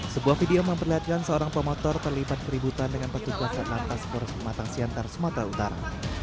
sebuah video memperlihatkan seorang pemotor terlibat keributan dengan petugas atlantas polres pematang siantar sumatera utara